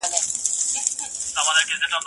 که وخت وي، پاکوالی کوم؟